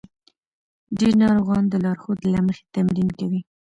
ډېر ناروغان د لارښود له مخې تمرین کوي.